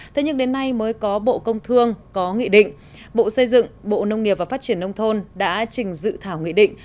thế nhưng đến nay mới có bộ công thương có nghị định bộ xây dựng bộ nông nghiệp và phát triển nông thôn đã trình dự thảo nghị định